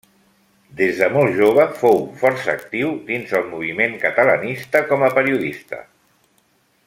Des de molt jove fou força actiu dins el moviment catalanista com a periodista.